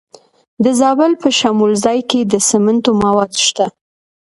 د زابل په شمولزای کې د سمنټو مواد شته.